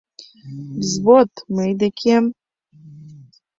— Взвод, мый декем.